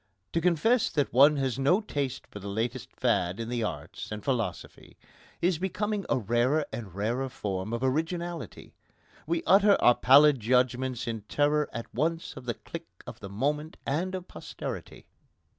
To confess that one has no taste for the latest fad in the arts and philosophy is becoming a rarer and rarer form of originality. We utter our pallid judgments in terror at once of the clique of the moment and of posterity.